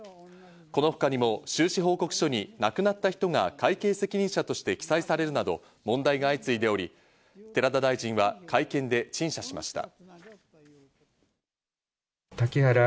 このほかにも収支報告書に亡くなった人が会計責任者として記載されるなど問題が相次いでおり、寺田大臣は会見で陳謝しました。